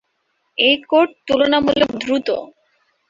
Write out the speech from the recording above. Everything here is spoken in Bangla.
এই কোর্ট তুলনামূলক দ্রুত।